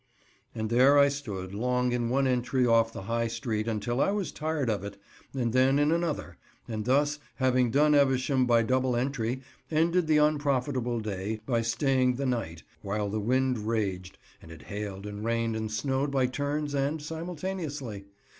And there I stood long in one entry off the High Street until I was tired of it, and then in another, and thus having done Evesham by double entry, ended the unprofitable day by staying the night, while the wind raged, and it hailed and rained and snowed by turns and simultaneously.